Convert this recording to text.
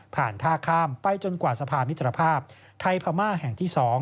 ท่าข้ามไปจนกว่าสะพานมิตรภาพไทยพม่าแห่งที่๒